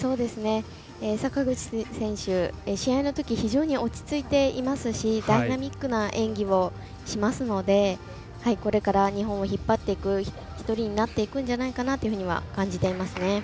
坂口選手、試合のとき非常に落ち着いていますしダイナミックな演技をしますのでこれから日本を引っ張っていく１人になるんじゃないかなと感じていますね。